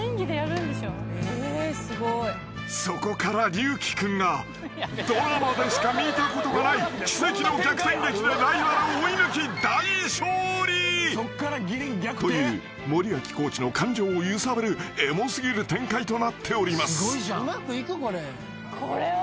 ［そこから龍樹君がドラマでしか見たことがない奇跡の逆転劇でライバルを追い抜き大勝利という森脇コーチの感情を揺さぶるエモ過ぎる展開となっております］